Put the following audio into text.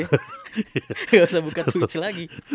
gak usah buka twitch lagi